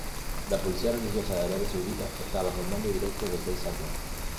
La policía religiosa en Arabia Saudita está bajo el mando directo del Rey Salman.